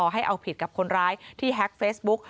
ให้เอาผิดกับคนร้ายที่แฮ็กเฟซบุ๊ก